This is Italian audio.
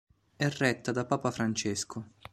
È retta da papa Francesco.